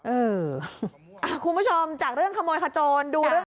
เออคุณผู้ชมจากเรื่องขโมยขจรดูเรื่อง